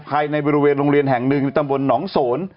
ภายในบริเวณโรงเรียนแห่งหนึ่งในตำบลหนองโสน